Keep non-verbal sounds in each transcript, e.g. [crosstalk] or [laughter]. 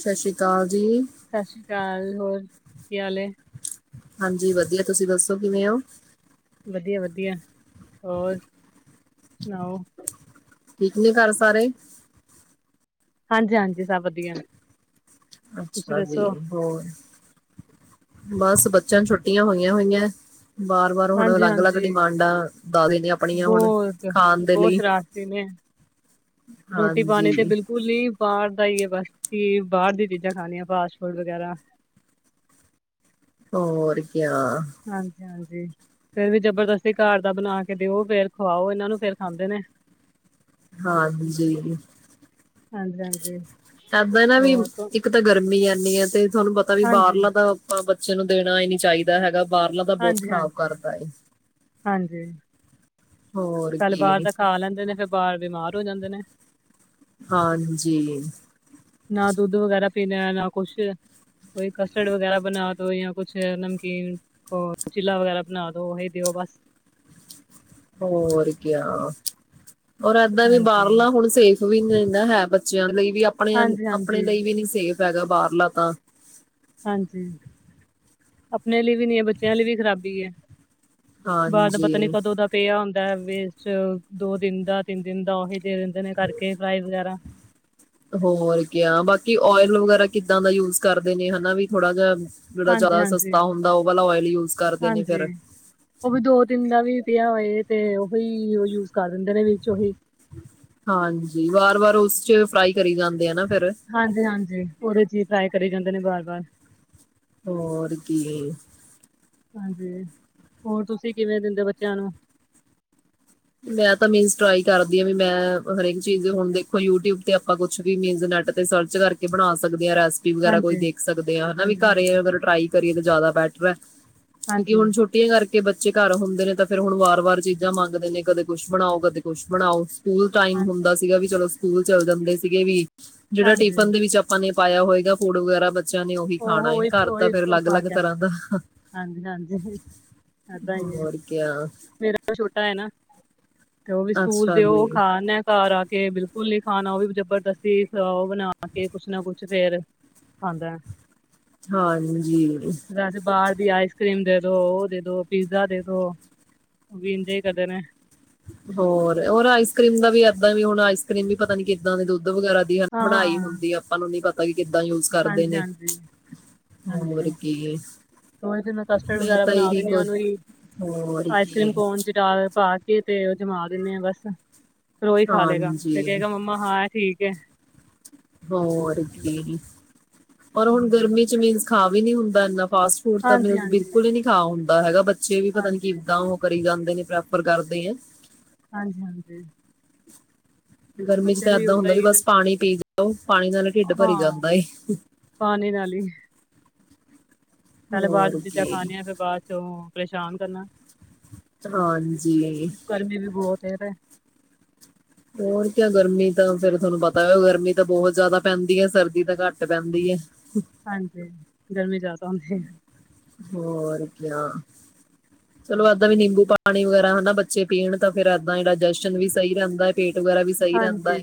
ਸਤਿ ਸ੍ਰੀ ਅਕਾਲ ਜੀ ਸਤਿ ਸ੍ਰੀ ਅਕਾਲ ਹੋਰ ਕੀ ਹਾਲ ਹਾਂਜੀ ਵਧੀਆ ਤੁਸੀਂ ਦੱਸੋ ਕਿਵੇਂ ਹੋ ਵਧੀਆ ਵਧੀਆ ਹੋਰ ਸੁਣਾਓ ਠੀਕ ਨੇ ਘਰ ਸਾਰੇ ਹਾਂਜੀ ਹਾਂਜੀ ਸਭ ਵਧੀਆ ਨੇ ਤੁਸੀਂ ਅੱਛਾ ਜੀ ਦੱਸੋ ਹੋਰ ਬਸ ਬੱਚਿਆਂ ਛੁੱਟੀਆਂ ਹੋਈਆਂ ਹੋਈਆਂ ਵਾਰ ਵਾਰ ਹੁਣ ਹਾਂਜੀ ਅਲੱਗ ਅਲੱਗ ਹਾਂਜੀ ਡਿਮਾਂਡਾਂ ਦਾ ਦੇਣੇ ਆਪਣੀਆਂ ਹੁਣ ਬਹੁਤ ਖਾਣ ਦੇ ਬਹੁਤ ਲਈ ਸ਼ਰਾਰਤੀ ਨੇ ਹਾਂਜੀ ਪਤਾ ਹੀ ਹੈ ਬਸ ਕਿ ਬਾਹਰ ਦੀ ਚੀਜ਼ਾਂ ਖਣੀਆਂ ਫਾਸਟ ਫੂਡ ਵਗੈਰਾ ਹੋ ਆਹ ਹਾਂਜੀ ਹਾਂਜੀ ਫੇਰ ਵੀ ਜਬਰਦਸਤੀ ਘਰ ਦਾ ਬਣਾ ਕੇ ਦਿਓ ਫੇਰ ਖਵਾਓ ਇਹਨਾਂ ਨੂੰ ਫੇਰ ਖਾਂਦੇ ਨੇ ਹਾਂਜੀੀ ਹਾਂਜੀ ਹਾਂਜੀ ਇਦਾਂ ਨਾ ਵੀ ਹੋਰ ਤੋਂ- ਇੱਕ ਤਾਂ ਗਰਮੀ ਆਨੀ ਹੈ ਤੇ ਤੁਹਾਨੂੰ ਪਤਾ ਵੀ ਹਾਂਜੀ ਬਾਹਰਲਾ ਤਾਂ ਆਪਾਂ ਬੱਚੇ ਨੂੰ ਦੇਣਾ ਹੀ ਨੀ ਚਾਹੀਦਾ ਹੈਗਾ ਬਾਹਾਰਲਾ ਦਾ ਬਹੁਤ ਹਾਂਜੀ ਖ਼ਰਾਬ ਹਾਂਜੀ ਕਰਤਾ ਹਾਂਜੀ ਹੋਰ ਕੱਲ ਬਾਹਰ ਕੀ ਤਾਂ ਖਾ ਲੈਂਦੇ ਨੇ ਫਿਰ ਬਾਹਰ ਬਿਮਾਰ ਹੋ ਜਾਂਦੇ ਨੇ ਹਾਂਜੀ ਨ ਨਾ ਕੁਛ ਕੋਈ ਕਸਟਡ ਵਗੈਰਾ ਬਣਾ ਜਾਂ ਕੁਛ ਨਮਕ ਚੀਲਾ ਵਗੈਰਾ ਬਣਾ ਉਹਹੀ ਦਿਓ ਬਸ ਹੋ ਕਿਆ ਔਰ ਏਦਾਂ ਵੀ ਹਾਂਜੀ। ਬਾਹਰਲਾ ਹੁਣ ਸੇ ਵੀ ਨਾ ਹੈ ਬੱਚਿਆਂ ਲਈ ਵੀ ਆਪਣੇ ਹਾਂਜੀ, ਆਪਣੇ ਹਾਂਜੀ, ਲਈ ਵੀ ਨੀ ਸੇਫ ਪੈਗਾ ਬਾਹਰਲਾ ਤਾਂ ਹਾਂਜੀ ਆਪਣੇ ਲਈ ਵੀ ਨੀ ਹੈ ਬੱਚਿਆਂ ਲਈ ਵੀ ਖ਼ਰਾਬੀ ਹੈ ਬਾਅ ਦਾ ਪਤਾ ਨੀ ਹਾਂਜੀ ਕਦੋਂ ਦਾ ਪਿਆ ਹੁੰਦਾ ਵੇਸਟ ਦੋ ਦਿਨ ਦਾ ਤਿੰਨ ਦਿਨ ਦਾ ਉਹੀ ਦੇ ਰਹਿੰਦੇ ਨੇ ਕਰਕੇ ਪੜਈ ਵਗੈਰਾ ਹੋਰ ਕ ਬਾਕੀ ਓਇਲ ਵਗੈਰਾ ਕਿੱਦਾਂ ਦਾ ਯੂਜ ਕਰਦੇ ਨੇ ਹਨਾ ਵੀ ਥੋੜਾ ਜਾਿਹਾ ਜਿਹੜਾ ਹਾਂਜੀ, ਜ਼ਿਆਦਾ ਹਾਂਜੀ, ਸਸਤਾ ਹੁੰਦਾ ਉਹ ਵਾਲਾ ਓਇਲ ਯੂਜ ਕਰਦੇ ਨੇ ਹਾਂਜੀ। ਫਿਰ ਿਆ ਹੋਏ ਤੇ ਉਹੀ ਯੂਜ ਕਰ ਦਿੰਦੇ ਨੇ ਵਿੱਚ ਉਹੀ ਹਾਂਜੀ ਵਾਰ ਵਾਰ ਉਸ ਚ ਫਰਾਈ ਕਰੀ ਜਾਂਦੇ ਆ ਨਾ ਫਿਰ ਹਾਂਜੀ ਹਾਂਜੀ ਉਹਦੇ ਚੀ ਟਰਾਏ ਕਰੀ ਜਾਂਦੇ ਨੇ ਬਾਰ ਬਾਰ ਹੋਰ ਕੀ ਹਾਂਜੀ ਹੋਰ ਤੁਸੀਂ ਕਿਵੇਂ ਦਿੰਦੇ ਬੱਚਿਆਂ ਨੂੰ ਮੈਂ ਤ ਮੀਨ ਟ੍ਰਈ ਕਰਦੀ ਹ ਵੀ ਮੈਂ ਹਰੇਕ ਚੀਜ਼ ਹੁਣ ਦੇਖੋ ਯੂਟਊਬ ਤੇ ਆਪਾਂ ਕੁ ਮੀਨ ਨੈ ਤੇ ਸਰਚ ਕਰਕੇ ਬਣਾ ਸਕ ਦੀ ਰੈਸਪੀ ਵਗੈਰਾ ਕੋਈ ਹਾਂਜੀ, ਦੇਖ ਸਕਦੇ ਆ ਹਨਾ ਵੀ ਹਾਂਜੀ, ਘਰ ਹਾਂਜੀ, ਅਗਰ ਟਰਾਈ ਕਰੀਏ ਜ਼ਿਆਦਾ ਬੈਟਰ ਹੈ ਕਿਉਂਕਿ ਹਾਂਜੀ। ਹੁਣ ਛੋਟੀਆਂ ਕਰਕੇ ਬੱਚੇ ਘਰ ਹੁੰਦੇ ਨੇ ਤਾਂ ਫੇਰ ਹੁਣ ਵਾਰ ਵਾਰ ਚੀਜ਼ਾਂ ਮੰਗਦੇ ਨੇ ਕਦੇ ਕੁੱਛ ਬਣਾਓ ਕਦੇ ਕੁੱਛ ਬਣਾਓ ਸਕੂਲ ਟਾਈਮ ਹਾਂਜੀ, ਹੁੰਦਾ ਸੀਗਾ ਵੀ ਚਲੋ ਸਕੂਲ ਚੱਲ ਜਾਂ ਹਦੇ ਸੀਗੇ ਵੀ ਜਿਹੜਾ ਹਾਂਜੀ ਟਿਫਨ ਦੇ ਵਿੱਚ ਆਪਾਂ ਨੇ ਪਾਇਆ ਹੋਏਗਾ ਫੂਡ ਵਗੈਰਾ ਬਿਆਂ ਨੇ ਉਹੀ ਉਹ ਖਾਣਾ ਉਹੀ ਘਰ ਤਾਂ ਉਹੀ ਫੇਿਰ ਉਹ ਅਲੱਗ ਖਾ ਅਲੱਗ ਕੇ ਆਂਦੇ ਤਰ੍ਹਾਂ ਨੇ। ਦਾ ਹਾਂਜੀ, ਹਾਂਜੀ ਏਦਾਂ ਹੀ ਹੈ ਹੋਰ ਕ ਮੇਰਾ ਵੀ ਛੋਟਾ ਹੈ ਨਾ ਤੇ ਉਹ ਵੀ ਸਕੂਲ ਤੇ ਉਹ ਖਾਦੇ ਆ ਘਰ ਆ ਕੇ ਬਿਲਕੁਲ ਕੋਲੀ ਖਾਣਾ ਉਹ ਵੀ ਜਬਰਦਸਤੀ ਖਾਓ ਬਣਾ ਕੇ ਕੁਛ ਨਾ ਕੁਛ ਫੇਰ ਖਾਂਦਾ ਹੈ ਹਾਂਜੀੀ ਵੈਸੇ ਬਾਹਰ ਆਈਸ ਕਰ੍ਰੀਮ ਦੇ ਦੋ ਉਹ ਦੇ ਦੋ ਪੀਜ਼ਾ ਦੇ ਦੋ ਉਹ ਵੀ ਇੰਜ ਹੀ ਕਰਦੇ ਨੇ ਹੋਰ ਹੋਰ ਆਈਸ ਕਰੀਮ ਦਾ ਵੀ ਐਦਾਂ ਵੀ ਹੁਣ ਆਈਸ ਕਰ੍ਰੀਮ ਵੀ ਪਤਾ ਨੀ ਕਿੱਦਾਂ ਦੇ ਦੁੱ ਦੁੱਧ ਵਗੈਰਾ ਦੀ ਹਨਾ ਹਾਂ, ਬਣਾਈ ਹਾਂ ਹੁੰਦੀ ਆਪਾਂ ਨੂੰ ਨੀ ਪ ਹਾਂਜੀ ਹਾਂਜੀ ਹਾਂਜੀ ਹੋਰ ਕੀ [unintelligible] ਮੈਂ ਕਸਟਰਡ ਵਗੈਰਾ ਤਾਂ ਬਣਾ ਇਹੀ ਦੇਿੰਣੀ ਆ ਕੁਝ ਉਹਨੂੰ ਹੋਰ ਆਈਸ ਕੀ ਕਰ੍ਰੀਮ ਕੋਨ ਚ ਪਾ ਕੇ ਤੇ ਜਮਾ ਦਿੰਨੇ ਆ ਬਸ ਫੇਰ ਓਹੀ ਖਾ ਲੇਗਾ ਤੇ ਹਾਂਜੀ ਕਹਿਗਾ ਮੰਮਾ ਹਾਂ ਇਹ ਠੀਕ ਏ ਹੋਰ ਕੀ ਓਰ ਹੁਣ ਹਾਂਜੀ। ਗਰਮੀ ਚ ਮੀਨਸ ਖਾਵੀ ਨੀ ਹੁੰਦਾ ਇੰਨਾ ਫਾਸਟ ਫੂਡ ਤਾਂ ਮੈਂ ਹਾਂਜੀ ਹਾਂਜੀ ਬਿਲਕੁਲ ਈ ਨਹੀਂ ਖਾ ਹੈਗਾ ਬੱਚਾ [unintelligible] ੇ ਵੀ [unintelligible] ਪਤਾ ਨੀ ਹਾਂਜੀ ਕਿੱਦਾਂ ਉਹ ਕਰੀ ਜਾਂ ਨ [unintelligible] ਪ੍ਰੈਫਰ ਕਰਦੇ ਹੈ ਹਾਂਜੀ ਹਾਂਜੀ ਗਰਮੀ ਚ ਬੱਚੇ ਤਾਂ ਇਦਾਂ ਓਦਾਂ ਹੁੰਦਾ ਵੀ ਹੀ ਬਸ ਪਾਣੀ ਪੀ ਹੈੋ [unintelligible] ਪਾਣੀ ਨਾਲ ਢਿੱਡ ਭਰੀ ਹਾਂ ਜਾਂਦਾ ਏ ਪਾਣੀ ਨਾਲ ਹੀ ਪਹਿਲੇ ਬਾਅਦ ਹੋਰ ਚੀਜ਼ਾਂ ਕੀ ਖਾਣੀਆਂ ਫਿਰ ਬਾਅਦ ਚੋਂ ਪਰੇਸ਼ਾਨ ਕਰਨਾ ਹਾਂਜੀ ਗਰਮੀ ਵੀ ਬਹੁਤ ਹੈ ਤੇ ਹੋਰ ਕਿਆ ਗਰਮੀ ਤਾਂ ਫੇਰ ਤੁਹਾਨੂੰ ਪਤਾ ਹੋ ਗਰਮੀ ਤਾਂ ਬਹੁਤ ਜ਼ਿਆਦਾ ਪੈਂਦੀ ਹੈ ਸਰਦੀ ਤਾਂ ਘੱਟ ਪੈਂਦੀ ਹੈ ਹਾਂਜੀ ਗਰਮੀ ਜ਼ਿਆਦਾ ਹੁੰਦੀ ਹੈ ਹੋਰ ਕਿਆ ਚਲੋ ਏਦਾਂ ਵੀ ਹਾਂਜੀ ਨਿੰਬੂ ਪਾਣੀ ਵਗੈਰਾ ਨਾ ਬੱਚੇ ਪੀਣ ਤਾਂ ਫਿਰ ਦਾਂ ਡਾਇਜਸ਼ਨ ਵੀ ਸਹੀ ਰਹਿੰਦਾ ਐ ਪੇਟ ਵਗੈਰਾ ਵੀ ਸਹੀ ਰਹਿੰਦਾ ਹਾਂਜੀ ਐ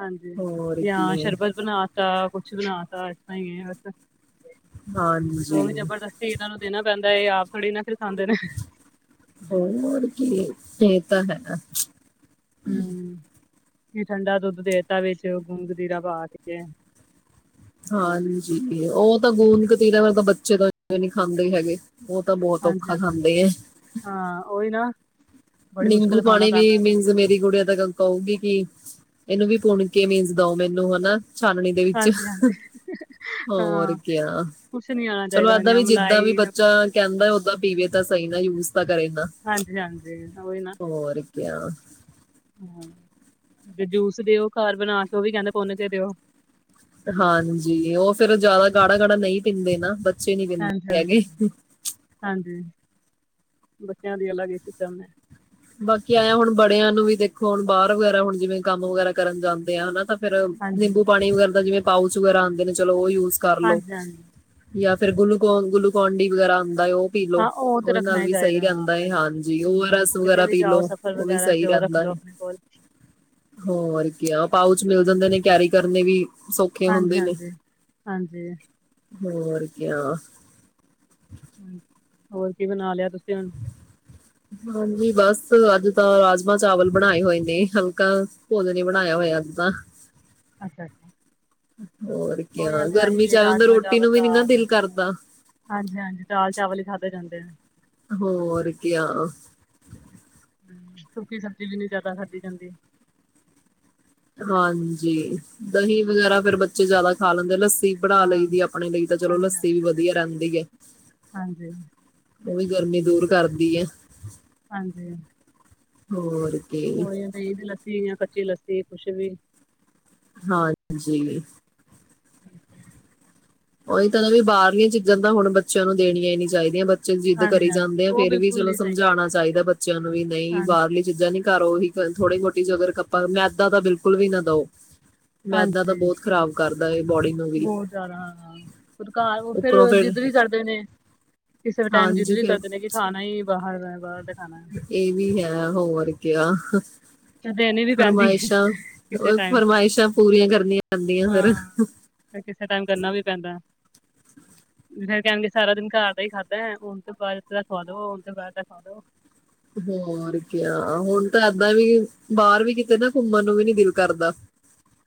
ਹਾਂਜੀ ਹੋਰ ਜਾਂ ਕੀ ਨਹੀਂ ਬਸ [unintelligible] ਉਹ ਹਾਂਜੀ ਵੀ ਜਬਰਦਸਤੀ ਇਹਨਾਂ ਨੂੰ ਦੇਣਾ ਪੈਂਦਾ ਹੈ ਇਹ ਆਪ ਥੋੜ੍ਹੀ ਨਾ ਫਿਰ ਖਾਂਦੇ ਨੇ ਹੋਰ ਕੀ ਇਹ ਤਾਂ ਹੈ ਹਮ ਇਹ ਠੰਡਾ ਦੁੱਧ ਦੇਤਾ ਵਿੱਚ ਗੁੰਦ ਕਤੀਰਾ ਪਾ ਕੇ ਸੀਗੇ ਹਾਂਜੀ ਉਹ ਤਾਂ ਗੂੰਦ ਕਤੀਰਾ ਮੇ ਤਾਂ ਬੱਚੇ ਤਾਂ ਨਹੀਂ ਖਾਂਦੇ ਹੈਗੇ ਉਹ ਤਾਂ ਬਹੁਤ ਹਾਂਜੀ ਔਖਾ ਖਾਂਦੇ ਐ ਹਾਂ ਉਹੀ ਨਾ ਬੜੀ ਨਿੰਗੂ ਮੁਸ਼ਕਿਲ ਖਾਣਾ ਪਾਣੀ ਵੀ ਪੈਂਦਾ ਇਹਨਾਂ ਨੂੰ ਮੀਨ ਮੇਰੀ ਗੜੀਆਂ ਦਾ ਕਣਕ ਆਊਗੀ ਕਿ ਇਹਨੂੰ ਵੀ ਪੁੁੰਣ ਕੇ ਮੀਨਸ ਦਓ ਮੈਨੂੰ ਹਨਾ ਛਾਨਣੀ ਦੇ ਵਿੱਚ ਹਾਂਜੀ-ਹਾਂਜੀ ਹੋਰ ਹਾਂ, ਕ ਕੁਛ ਨੀ ਆਣਾ ਚਲੋ ਚਾਹੀਦਾ ਏਦਾਂ ਨਾ ਵੀ ਜਿੱਦਾਂ ਵੀ ਮਲਾਈ ਨਾ ਬੱਚਾ ਕੁਛ। ਕਹਿੰਦਾ ਓਦਾਂ ਪੀਵੇ ਤਾਂ ਸਹੀ ਨਾ ਯੂਜ ਹਾਂਜੀ ਹਾਂਜੀ ਹੋ ਕਿ ਹਮ ਤੇ ਜੂਸ ਦਿਓ ਘਰ ਬਣਾਸ ਉਹ ਵੀ ਕਹਿੰਦੇ ਪੁੰਨ ਕੇ ਦਿਓ ਹਾਂਜੀ ਉਹ ਫੇਿਰ ਜਿਆਦਾ ਗਾੜਾ ਗਾੜਾ ਨਹੀਂ ਪੀਂਦੇ ਨਾ ਸ਼ਨੀ ਬਨ ਮ ਹਾਂਜੀ-ਹਾਂਜੀ। ਆਗੀ ਹਾਂਜੀ ਹਾਂਜੀ ਬੱਚਿਆਂ ਦੀ ਅਲੱਗ ਹੀ ਸਿਸਟਮ ਹੈ ਬਾਕੀ ਆਇਆ ਹੁਣ ਬੜਿਆਂ ਨੂੰ ਵੀ ਦੇਖੋ ਹੁਣ ਬਾਹਰ ਵਗੈਰਾ ਹੁਣ ਜਿਵੇਂ ਕੰਮ ਵਗੈਰਾ ਕਰਨ ਜਾਂਦੇ ਆ ਹਨਾ ਤਾਂ ਫੇਰ ਹਾਂਜੀ, ਨਿੰਬੂ ਪਾਣੀ ਵਗੈਰਾ ਦਾ ਜਿਵੇਂ ਪਾਊਸ ਵਗੈਰਾਉਂਦੇ ਨੇ ਚਲ ਉਹ ਯੂ ਹਾਂਜੀ ਹਾਂਜੀ ਜਾਂ ਫਿਰ ਗੂਕ ਗੁਲੂਕੋਂਡੀ ਵਗੈਰਾ ਹੁੰ ਉਹ ਪੀਲੋ ਹਾਂ ਉਹ ਤੇ ਉਹਦੇ ਰੱਖਣਾ ਨਾਲ ਹੀ ਵੀ ਸਹੀ ਚਾਹੀਦਾ ਹਾਂ ਰਹਿੰਦਾ ਆਪਣੇ ਹੈਏ ਕੋਲ ਹਾਂਜੀ ਉਹ ਹੂੰ ਰਸ ਕਿਤੇ ਵਗੈਰਾ ਵੀ ਜਾਓ ਕਿਲੋ ਸਫ਼ਰ ਉਹ ਵੀ ਵਗੈਰਾ ਚ ਸਹੀ ਉਹ ਰੱਖ ਰਹਿੰਦਾ ਲੋ ਆਪਣੇ ਕੋਲ ਹੋਰ ਕ ਪਾਓ ਚ ਮਿਲ ਹਾਂਜੀ, ਜਾਂਦੇ ਨੇ ਕੈਰੀ ਕਰਨੇ ਵੀ ਸੌਖੇ ਹੁੰਦੇ ਨੇ ਹਾਂਜੀ-ਹਾਂਜੀ, ਹਾਂਜੀ। ਹਾਂਜੀ ਹੋਰ ਕਿਆ ਹੋਰ ਕੀ ਬਣਾ ਲਿਆ ਤੁਸੀਂ ਹੁਣ ਹਾਂਜੀ ਬਸ ਅੱਜ ਤਾਂ ਰਾਜਮਾਂ ਚਾਵਲ ਬਣਾਏ ਹੋਏ ਨੇ ਹਲ ਭੋਜ ਨੇ ਬਣਾਇਆ ਹੋਇਆ ਸੀ ਵਾਹ ਅੱਛਾ ਅੱਛਾ ਕਿਆ ਕੋਈ ਹ ਗਰਮੀ ਚ ਆਹੀ ਐਵੇਂ ਹੁੰਦਾ ਰਾਜਮਾਂ ਰੋਟੀ ਚਾਵਲ ਨੂੰ ਵੀ ਨੀ ਨਾ ਦਾਲ ਦਿਲ ਕਰਦਾ ਹਾਂਜੀ ਹਾਂਜੀ ਦਾਲ ਚਾਵਲ ਹੀ ਖਾਦੇੇ ਜਾਂਦੇ ਆ ਹੋਰ ਕੀ ਆ ਹਮ ਸੁੱਕੀ ਸਬਜ਼ੀ ਵੀ ਨਹੀਂੀ ਜਿਆਦਾ ਖਾਧੀ ਜਾਂਦੀ ਹਾਂਜੀ ਦਹੀਂ ਵਗੈਰਾ ਫੇਿਰ ਬੱਚੇ ਜਿਆਦਾ ਖਾ ਲੈਂਦੇ ਲ ਲੱਸੀ ਬਣਾ ਲਈ ਹਾਂ, ਦੀ ਆਪਣੇ ਲਈ ਤਾਂ ਚਲੋ ਲੱਸੀ ਵੀ ਹਾਂਜੀ-ਹਾਂਜੀ, ਵਧੀਆ ਰਹਿੰਦੀ ਹੈ ਹਾਂਜੀ, ਉਹ ਵੀ ਗਰਮੀ ਦੂਰ ਕਰਦੀ ਆ ਹਾਂਜੀ ਹ ਆ ਹੋ ਜਾਂ ਦਹੀਂ ਦੀ ਲੱਸੀ ਜਾਂ ਕੱਚੀ ਲੱਸੀ ਅਤੇ ਕੁਛ ਵੀ ਹਾਂਜੀੀ ਉਹੀ ਤਾਂ ਨਾ ਵੀ ਬਾਹਰਲਆਂ ਚੀਜ਼ਾਂ ਤਾਂ ਹੁਣ ਬੱਚਿਆਂ ਨੂੰ ਦੇਣੀਆਂ ਹੀ ਨੀ ਚਾਹੀਦੀਆਂ ਜਿੱਦ ਕਰੀ ਹਾਂਜੀ-ਹਾਂਜੀ ਜਾਂਦੇ ਆ ਉਹ ਫੇਰ ਵੀ ਬਿਲਕੁਲ ਚਲੋ ਨੀ ਸਹੀ ਹੈਗੀ ਸਮਝਾਉਣਾ ਚਾਹੀਦਾ ਬੱਚਿਆਂ ਨੂੰ ਵੀ ਨਹੀਂ ਹਾਂਜੀ, ਬਾਹਰਲੀ ਚੀਜ਼ਾਂ ਨੀ ਕਰੋ ਹੀ ਥੋੜੀ ਮੋਟੀ ਜ ਅਗਰ ਕੱਪਾ ਮੈਦਾ ਤਾਂ ਬਿਲਕੁਲ ਵੀ ਨਾ ਦੋ ਮੈਦਾ ਤਾਂ ਹਾਂਜੀ ਬਹੁਤ ਖ਼ਰਾਬ ਕਰਦਾ ਹੈ ਬੌਡੀ ਨੂੰ ਵੀ ਘ ਉਹ ਫਿਰ ਉੱਪਰੋਂ ਫੇਰ ਜਿੱਦ ਵੀ ਕਰਦੇ ਨੇ ਕਿਸੇ ਵੀ ਟਾਈਮ ਜਿੱਦ ਹਾਂਜੀ ਵੀ ਫੇਰ ਕਰਦੇ ਨੇ ਕਿ ਖਾਣਾ ਹੀ ਬਾਹਰ ਦਾ ਬਾਹਰ ਦਾ ਖਾਣਾ ਹੈ ਇਹ ਵੀ ਹੈ ਹੋਰ ਕਿਆ ਤੇ ਦੇਣੀ ਵੀ ਪੈਂਦੀ ਹੈ ਫਰਮਾਇਸ਼ਾਂ ਕਿਸੇ ਉਹ ਟਾਈਮ ਫਰਮਾਇਸ਼ਾਂ ਪੂਰੀਆਂ ਕਰਨੀਆਂ ਪੈਂਦੀਆਂ ਫੇਿਰ ਹਾਂ, ਫਿਰ ਕਿਸੇ ਟਾਈਮ ਕਰਨਾ ਵੀ ਪੈਂਦਾ। ਫੇਰ ਕਹਿਣਗੇ ਸਾਰਾ ਦਿਨ ਘਰ ਦਾ ਹੀ ਖਾਧਾ ਹੁਣ ਤਾਂ ਬਾਹਰ ਦਾ ਖਵਾ ਦੋ ਹੁਣ ਤਾਂ ਬਾਹਰ ਦਾ ਖਵਾ ਦੋ ਹੋਰ ਕ ਹੁਣ ਤਾਂ ਏਦਾਂ ਵੀ ਬਾਹਰ ਵੀ ਕਿਤੇ ਨਾ ਘੁੰਮਣ ਨੂੰ ਵੀ ਨੀ ਦਿਲ ਕਰਦਾ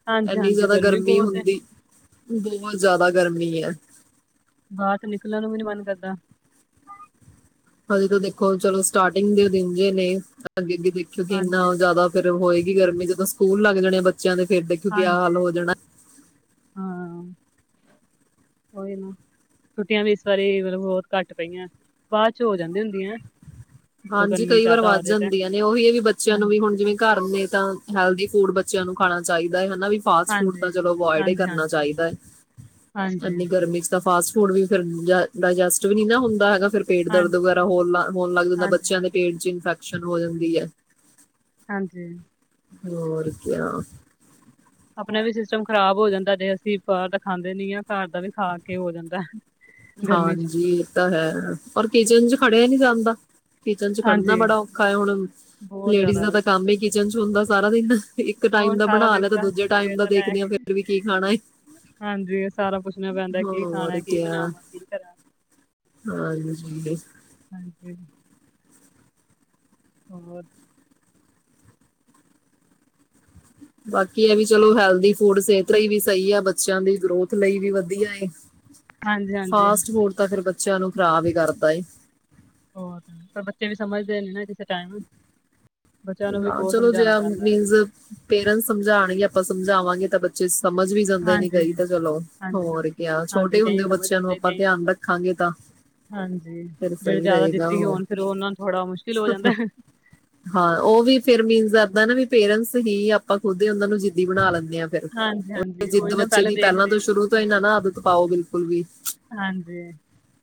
ਹਾਂਜੀ ਇਨੀ ਹਾਂਜੀ ਜ਼ਿਆਦਾ ਗਰਮੀ ਬਹੁਤ ਹੈ ਹੁੰਦੀ ਬਹੁਤ ਜ਼ਿਆਦਾ ਗਰਮੀ ਹੈ ਬਾਹਰ ਨਿਕਲਣ ਨੂੰ ਵੀ ਨੀ ਮਨ ਕਰਦਾ ਹਜੇ ਤਾਂ ਦੇਖੋ ਚਲੋ ਸਟਾਰਟਿੰਗ ਦੇ ਦਿਨ ਜ ਨੇ ਅੱਗੇ ਦੇਖਿਓ ਕਿ ਇੰਨਾ ਹਾਂਜੀ ਜ਼ਿਆਦਾ ਫੇਿਰ ਹੋਏਗਾ ਗਰਮੀ ਜਦੋਂ ਸਕੂਲ ਲਗ ਜਾਣੇ ਬੱਚਿਆਂ ਦੇ ਫਿਰ ਦੇਖੋ ਕਿਆ ਹਾਲ ਹਾਂਜੀ ਹੋ ਜਾਣਾ ਹਾਂ ਉਹੀ ਨਾ ਛੁੱਟੀਆਂ ਵੀ ਇਸ ਵਾਰੀ ਮਤਲਬ ਬਹੁਤ ਘੱਟ ਪਈਆਂ ਬਾਅਦ ਚ ਹੋ ਜਾਂਦੀ ਹੁੰਦੀਆਂ ਜਦੋਂ ਹਾਂਜੀ ਗਰਮੀ ਕਈ ਵਾਰ ਜ਼ਿਆਦਾ ਹੋ ਵੱਧ ਜਾਏ ਤੇ ਜਾਂਦੀਆਂ ਨੇ ਉਹੀ ਹੈ ਵੀ ਬੱਚਿਆਂ ਨੂੰ ਵੀ ਹਾਂਜੀ ਹੁਣ ਜਿਵੇਂ ਘਰ ਨੇ ਤਾਂ ਹੈਲਦੀ ਫੂਡ ਬੱਚਿਆਂ ਨੂੰ ਖਾਣਾ ਚਾਹੀਦਾ ਹੈ ਹਨ ਵੀ ਫਾਸਟ ਫੂਡ ਹਾਂਜੀ ਤਾਂ ਚਲੋ ਅਵਾ ਇਡ ਹੀ ਹਾਂਜੀ ਕਰਨਾ ਹਾਂਜੀ ਚਾਹੀਦਾ ਹੈ ਹਾਂਜੀ ਇੰਨੀ ਹਾਂਜੀ ਗਰਮੀ ਚ ਤਾਂ ਫਾਸਟ ਫੂਡ ਹਣ ਵੀ ਫਿਰ ਡਾਇਜਸਟ ਵੀ ਨੀ ਨਾ ਹੁੰਦਾ ਹੈਗਾ ਫੇਰ ਪੇਟ ਹਾਂਜੀ ਦਰਦ ਵਗੈਰਾ ਹੋਰ ਲ ਹੋਣ ਲੱਗ ਜਾਂਦਾ ਹਾਂਜੀ ਬੱਚਿਆਂ ਦਾ ਪੇਟ ਚ ਇਨਫੈਕਸ਼ਨ ਹੋ ਜਾਂਦੀ ਹੈ ਹਾਂਜੀ ਹੋਰ ਕਿਆ ਆਪਣਾ ਵੀ ਸਿਸਟਮ ਖ਼ਰਾਬ ਹੋ ਜਾਂਦਾ ਜੇ ਅਸੀਂ ਬਾਹਰ ਦਾ ਖਾਂਦੇ ਨੀ ਹ ਘਰ ਦਾ ਵੀ ਖਾ ਕੇ ਹੋ ਜਾਂਦਾ ਗਰਮੀ ਚ ਹਾਂਜੀ ਇਹ ਤਾਂ ਹੈ ਪਰ ਕਿਚਨ ਚ ਖੜਿਆ ਨਹੀਂ ਜਾਂਦਾ ਕਿਚਨ ਚ ਖੜਨਾ ਹਾਂਜੀ ਬੜਾ ਔਖਾ ਹੈ ਹੁਣ ਬਹੁਤ ਲੇਡੀਜ਼ ਜ਼ਿਆਦਾ ਦਾ ਤਾਂ ਕੰਮ ਹੀ ਕਿਚਨ ਚ ਹੁੰਦਾ ਸਾਰਾ ਦਿਨ ਇੱਕ ਹੋਰ ਟਾਈਮ ਦਾ ਸਾਰਾ ਬਣਾ ਦਿਨ ਲਿਆ ਤਾਂ ਦਾ ਦੂਜੇ ਟਾਈਮ ਸਵੇਰ ਦਾ ਤੋਂ ਲੈ ਦੇਖਦੇ ਆ ਕੇ ਫਿਰ ਵੀ ਕੀ ਖਾਣਾ ਹੈ ਹਾਂਜੀ ਸਾਰਾ ਪੁੱਛਣਾ ਪੈਂਦਾ ਕੀ ਹੋਰ ਖਾਣਾ ਕੀ ਬਣਾਵਾਂ ਕੀ ਕਰਾਂ ਹਾਂ ਹਾਂਜੀ ਹੋਰ ਬਾਕੀ ਇਹ ਵੀ ਚਲੋ ਹੈਲਦੀ ਫੂਡ ਸਿਹਤ ਲਈ ਵੀ ਸਹੀ ਆ ਬੱਚਿਆਂ ਦੀ ਗਰੋਥ ਲਈ ਵੀ ਵਧੀਆ ਹਾਂਜੀ ਹਾਂਜੀ ਫਾਸਟ ਫੂਡ ਤਾਂ ਫਿਰ ਬ ਬੱਚਿਆਂ ਨੂੰ ਖਰਾਬ ਹੀ ਕਰਦਾ ਹੋਰ ਪਰ ਬੱਚੇ ਵੀ ਸਮਝਦੇ ਨੇ ਨਾ ਕਿਸੇ ਟਾਈਮ ਬੱਚਿਆਂ ਨੂੰ ਵੀ ਹਾਂ ਬਹੁਤ ਚਲੋ ਜੇ ਸਮਝਾਉਣਾ ਪੈਂਦਾ ਹੈ। ਮੀਨਸ ਪੇਰੈਂਟਸ ਸਮਝਾਉਣਗੇ ਆਪਾਂ ਸਮਝਾਵਾਂਗੇ ਤਾਂ ਬੱਚੇ ਸਮਝ ਵੀ ਜਾਂਦੇ ਨੇ ਹਾਂਜੀ ਕਈ ਤਾਂ ਚਲੋ ਹਾਂਜੀ ਹੋਰ ਹਾਂਜੀ ਕਿਆ ਹਾਂਜੀ ਛੋਟੇ ਹੁੰਦੇ ਕਈ ਹੋ ਸਮਝ ਬੱਚਿਆਂ ਨੂੰ ਆਉਂਦੇ ਆਪਾਂ ਕਈ ਧਿਆਨ ਰੱਖਾਂਗੇ ਤਾਂ ਹਾਂਜੀ ਫਿਰ ਜਿਹੜੇ ਸਹੀ ਜ਼ਿਆਦਾ ਰਹੇਗਾ ਜਿੱਦੀ ਹੋਰ ਹੋਣ ਫਿਰ ਉਹਨਾਂ ਨੂੰ ਥੋੜਾ ਮੁਸ਼ਕਿਲ ਹੋ ਜਾਂਦਾ ਹੈ। ਹਾਂ ਉਹ ਵੀ ਫੇਰ ਮੀਨਸ ਇਦਾਂ ਨਾ ਹੀ ਆਪਾਂ ਖੁਦ ਉਹ ਨੂੰ ਜਿੱਦੀ ਬਣਾ ਲੈਂਦੇ ਫਿਰ ਹਾਂਜੀ ਹਾਂਜੀ ਜਿੱਦ ਉਹੀ ਨਾ ਬੱਚੇ ਪਹਿਲੇ ਦੀ ਪਹਿਲਾਂ ਦੇਖਦੇ ਤੋਂ ਆ ਸ਼ੁਰੂ ਤੋਂ ਹੀ ਨਾ ਨਾ ਆਦਤ ਪਾਓ ਬਿਲਕੁਲ ਵੀ ਹਾਂਜੀ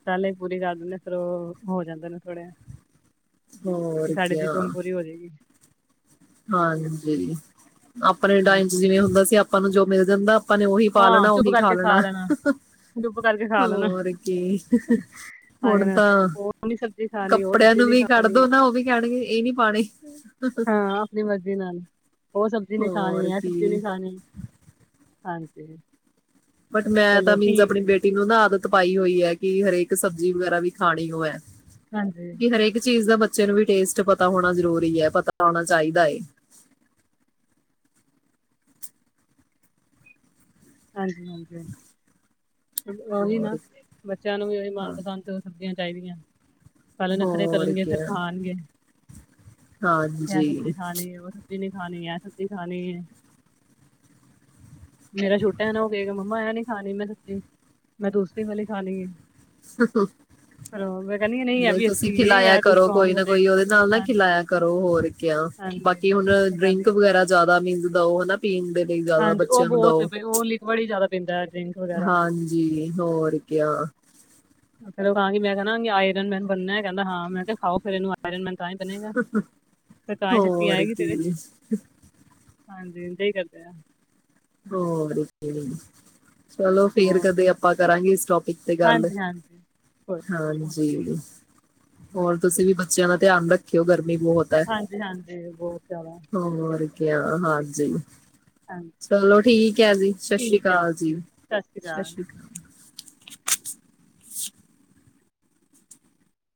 ਗੱਲ ਪੂਰੀ ਕਰ ਦਿੰਦੇ ਫੇਿਰ ਉਹ ਹੋ ਜਾਂਦੇ ਨੇ ਥੋੜ੍ਹੇ ਹੋਰ ਕਿਆ ਹੋ ਜਾਏਗੀ ਹਾਂਜੀ ਆਪਣੇ ਟਾਈਮ ਚ ਹਾਂਜੀ ਜਿਵੇਂ ਹੁੰਦਾ ਸੀ ਆਪਾਂ ਨੂੰ ਜੋ ਮਿਲ ਜਾਂਦਾ ਆਪਾਂ ਨੇ ਉਹੀ ਪਾ ਹਾਂ ਲੈਣਾ ਚੁੱਪ ਉਹੀ ਖਾ ਕਰਕੇ ਲੈਣਾ ਚੁੱਪ ਕਰਕੇ ਖਾ ਲੈਣਾ ਹੋਰ ਕੀ ਆ ਹੁਣ ਜਾਣਾ ਤਾਂ ਉਹ ਨੀ ਸਬਜ਼ੀ ਖਾਣੀ ਉਹ ਕੱਪੜਿਆਂ ਸਬਜ਼ੀ ਨੂੰ ਨੀ ਵੀ ਕੱਢ ਖਾਣੀ ਦੋ ਨਾ ਉਹ ਵੀ ਕਹਿਣਗੇ ਇਹ ਨੀ ਪਾਣੀ ਦੇ ਨਾਲ ਉਹ ਸਬਜ਼ੀ ਨਹੀਂ ਖਾਣੀ ਇਹ ਸਬਜ਼ੀ ਕੀ ਨਹੀਂ ਖਾਣੀ ਹਾਂਜੀ ਬਟ ਮੈਂ ਚਲੋ ਤਾਂ ਮੀਨਸ ਠੀਕ ਆਪਣੀ ਬੇਟੀ ਨੂੰ ਨਾ ਆਦਤ ਪਾਈ ਹੋਈ ਹੈ ਕਿ ਹਰੇਕ ਸਬਜ਼ੀ ਵਗੈਰਾ ਵੀ ਖਾਣੀ ਹੋ ਹੈ ਹਾਂਜੀ ਕਿ ਹਰੇਕ ਚੀਜ਼ ਦਾ ਬ ਬੱਚੇ ਨੂੰ ਵੀ ਟੇਸਟ ਪਤਾ ਹੋਣਾ ਜ਼ਰੂਰੀ ਹੈ ਪਤਾ ਹੋਣਾ ਚਾਹੀਦਾ ਹੈ ਹਾਂਜੀ ਹਾਂਜੀ ਉਹੀ ਨਾ ਹੋਰ ਬੱਚਿਆਂ ਨੂੰ ਵੀ ਉਹੀ ਹਾਂ ਮਨਪਸੰਦ ਸਬਜ਼ੀਆਂ ਚਾਹੀਦੀਆਂ ਪਹਿਲੇ ਹੋਰ ਨਖਰੇਕਰਨਗੇ ਫੇਰ ਕਿਆ ਖਾਣਗੇ ਕਿਆ ਹਾਂਜੀ। ਸਬਜ਼ੀ ਖਾਣਗੇ ਉਹ ਸਬਜ਼ੀ ਨਹੀਂ ਮੇਰਾ ਛੋਟਾ ਨਾ ਉਹ ਕਹੇਗਾ ਮਮਾ ਨੇ ਖਾਣੀ ਮੈਨੂੰ ਮੈਂ ਦੂਸਰੀ ਵਾਲੀ ਖਾ ਲਈ ਹੈ ਫਿਰ ਉਹ- ਮੈਂ ਕਹਿੰਦੀ ਹਾਂ, ਇਹ ਨਹੀਂ ਵੀ ਅੱਛੀ ਤੁਸੀਂ ਹੈ ਖਿਲਾਇਆ ਇਹ ਤਾਂ ਕਰੋ ਸਟਰੋਂਗ ਕੋਈ ਨਾ ਕੋਈ ਬਣੇਗਾ ਉਹਦੇ ਨਾਲ ਨਾ ਹਾਂਜੀ ਖਿਲਾਇਆ ਕਰੋ ਹੋਰ ਹਾਂਜੀ ਬਾਕੀ ਹੁਣ ਤੇ ਡਰਿੰਕ ਕਹਿੰਦੇ ਵਗੈਰਾ ਜ਼ਿਆਦਾ ਵੀ ਉਹਦਾ ਪੀਣ ਦੇ ਲਈ ਜ਼ਿਆਦਾ ਹਾਂਜੀ ਉਹ ਬੱਚਿਆਂ ਨੂੰ ਬਹੁਤ ਦਓ ਬ ਉਹ ਲੀਕਵਡ ਹੀ ਜ਼ਿਆਦਾ ਪੈਂਦਾ ਹਾਂਜੀ ਹੋਰ ਕ ਫਿਰਰ ਕਹਾਂ ਮੈਂ ਕਹਿੰਦੀ ਆਇਰਨਮੈਨ ਬਣਨਾ ਕਹਿੰਦਾ ਹਾਂ ਮੈਂ ਕਿਹਾ ਖਾਓ ਫਿਰ ਇਹਨੂੰ ਆਇਰਨਮੈਨ ਹੋਰ ਆਏਗੀ ਤੇਰੇ ਕੀ ਚ ਹਾਂਜੀ ਇਦਾਂ ਹੀ ਕਰਦੇ ਨੇ ਹੋ ਚਲੋ ਫੇਰ ਹੋਰ ਕਦੇ ਆਪਾਂ ਕਰਾਂਗੇ ਇਸ ਟੋਪਿਕ ਤੇ ਗੱਲ ਹਾਂਜੀ ਹਾਂਜੀ ਕੋਈ ਨੀ ਓਕੇ ਹਾਂਜੀ ਹੋਰ ਤੁਸੀਂ ਵੀ ਬੱਚਿਆਂ ਦਾ ਧਿਆਨ ਰੱਖਿਓ ਘਰ ਹਾਂਜੀ- ਹਾਂਜੀ ਬਹੁਤ ਜ਼ਿਆਦਾ ਹੋਰ ਹਾਂਜੀ। ਹਾਂਜੀ ਚਲੋ ਠੀਕ ਹੈ ਜੀ, ਸਤਿ ਸ਼੍ਰੀ ਠੀਕ ਆ ਅਕਾਲ ਜੀ। ਸਤਿ ਸ਼੍ਰੀ ਅਕਾਲ।